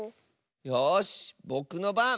よしぼくのばん！